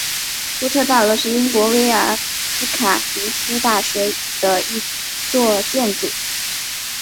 布特大楼是英国威尔斯卡迪夫大学的一座建筑。